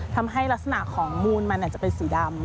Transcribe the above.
ทำให้ลักษณะของมูลมันจะเป็นสีดำ